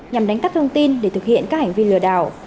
nhằm đánh cắp thông tin để thực hiện các hành vi lừa đảo